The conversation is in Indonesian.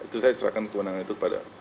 itu saya serahkan kewenangan itu kepada